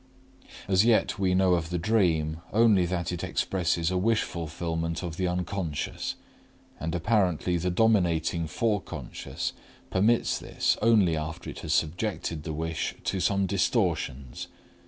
As yet we know of the dream only that it expresses a wish fulfillment of the unconscious; and apparently the dominating foreconscious permits this only after it has subjected the wish to some distortions.